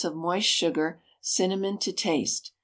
of moist sugar, cinnamon to taste.